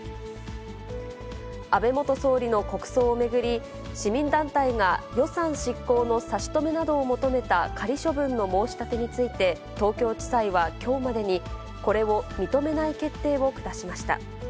安倍元総理の国葬を巡り、市民団体が予算執行の差し止めなどを求めた仮処分の申し立てについて、東京地裁はきょうまでに、これを認めない決定を下しました。